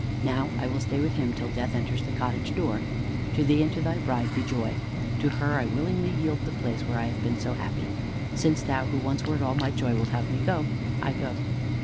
Now I will stay with him till death enters the cottage door. To thee and to thy bride be joy. To her I willingly yield the place where I have been so happy. Since thou, who once wert all my joy, wilt have me go, I go!"